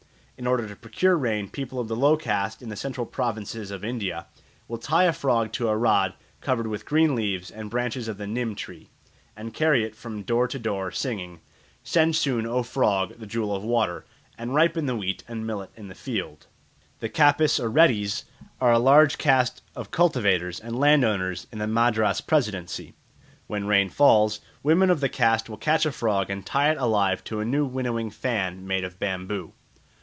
In order to procure rain people of low caste in the Central Provinces of India will tie a frog to a rod covered with green leaves and branches of the nîm tree (Azadirachta Indica) and carry it from door to door singing: "Send soon, O frog, the jewel of water! And ripen the wheat and millet in the field." The Kapus or Reddis are a large caste of cultivators and landowners in the Madras Presidency. When rain fails, women of the caste will catch a frog and tie it alive to a new winnowing fan made of bamboo.